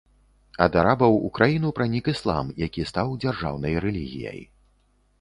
Ад арабаў у краіну пранік іслам, які стаў дзяржаўнай рэлігіяй.